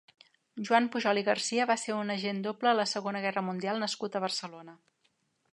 Joan Pujol i Garcia va ser un agent doble a la Segona Guerra Mundial nascut a Barcelona.